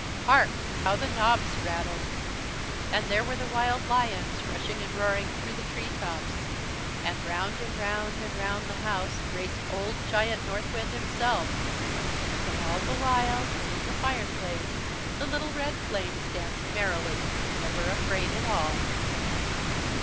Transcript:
Hark! How the knobs rattled! And there were the wild lions, rushing and roaring through the tree tops. And round and round and round the house raced old Giant Northwind himself. But all the while, in the fireplace the little red flames danced merrily, never afraid at all.